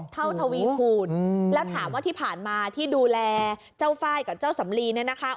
ทวีคูณแล้วถามว่าที่ผ่านมาที่ดูแลเจ้าไฟล์กับเจ้าสำลีเนี่ยนะคะ